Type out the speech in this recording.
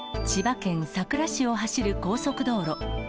千葉県佐倉市を走る高速道路。